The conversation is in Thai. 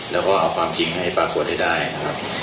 แล้วก็เอาความจริงให้ปรากฏให้ได้นะครับ